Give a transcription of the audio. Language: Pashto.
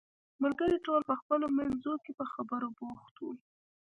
ملګري ټول په خپلو منځو کې په خبرو بوخت وو.